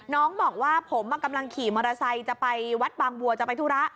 น้องบอกว่าผมกำลังขี่มอเตอร์ไซค์จะไปวัดบางบัวจะไปธุระ